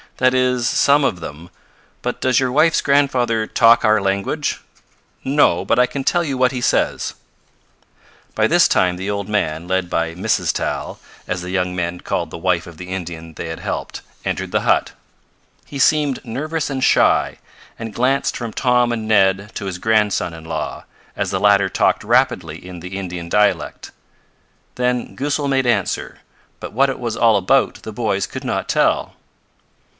"That is some of them. But does your wife's grandfather talk our language?" "No, but I can tell you what he says." By this time the old man, led by "Mrs. Tal" as the young men called the wife of the Indian they had helped entered the hut. He seemed nervous and shy, and glanced from Tom and Ned to his grandson in law, as the latter talked rapidly in the Indian dialect. Then Goosal made answer, but what it was all about the boys could not tell.